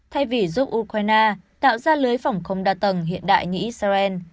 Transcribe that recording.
thay vì giúp ukraine tạo ra lưới phòng không đa tầng hiện đại như israel